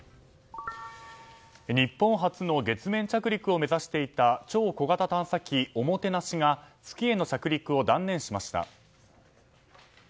日本初の月面着陸を目指していた超小型探査機「ＯＭＯＴＥＮＡＳＨＩ」が月への着陸を断念しました。